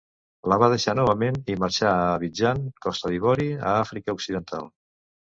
La va deixar novament i marxà a Abidjan, Costa d'Ivori, a Àfrica Occidental.